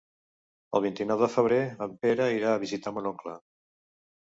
El vint-i-nou de febrer en Pere irà a visitar mon oncle.